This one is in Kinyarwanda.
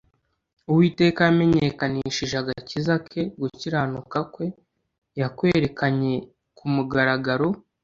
uwiteka yamenyekanishije agakiza ke gukiranuka kwe yakwerekanye ku mugaragaro